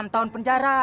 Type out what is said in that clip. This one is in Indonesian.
enam tahun penjara